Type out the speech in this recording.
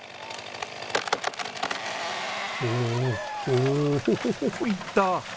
おおおおいった！